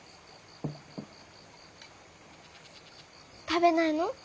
食べないの？